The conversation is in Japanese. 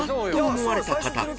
思われた方］